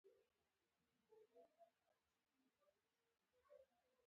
فتوحاتو ته مخه کړه.